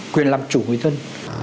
quyền làm chủ người dân